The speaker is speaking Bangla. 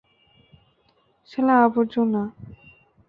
শালা, আবর্জনা।